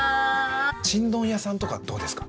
ちんどん屋さんとかどうですか？